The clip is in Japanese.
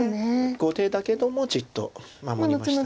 後手だけどもじっと守りました。